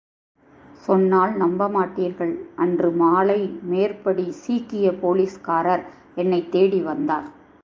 சொன்னால் நம்பமாட்டீர்கள், அன்று மாலை மேற்படி சீக்கியபோலீஸ்காரர் என்னைத் தேடி வந்தார்.